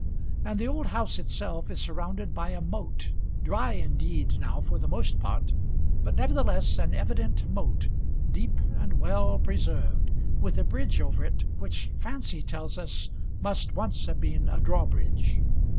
And the old house itself is surrounded by a moat, dry indeed now for the most part, but nevertheless an evident moat, deep and well preserved, with a bridge over it which Fancy tells us must once have been a drawbridge.